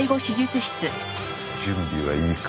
準備はいいか？